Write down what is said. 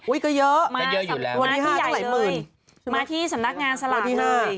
อุ๊ยก็เยอะรางวัลที่๕ต้องไหล่หมื่นมาที่สนักงานสลากเลย